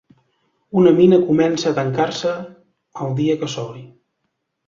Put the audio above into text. Una mina comença a tancar-se el dia que s'obri.